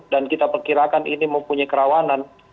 dan kita perkirakan ini mempunyai kerawanan